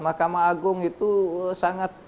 mahkamah agung itu sangat